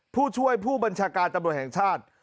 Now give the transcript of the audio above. ผู้ช่วยผู้บัญชาการตำรวจแห่งชาติ